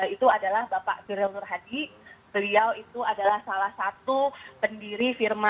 itu adalah bapak firyal nurhadi